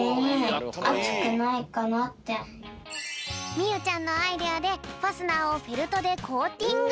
みゆちゃんのアイデアでファスナーをフェルトでコーティング。